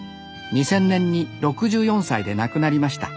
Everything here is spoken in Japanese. ２０００年に６４歳で亡くなりました。